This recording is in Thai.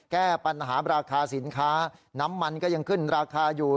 แก้ปัญหาราคาสินค้าน้ำมันก็ยังขึ้นราคาอยู่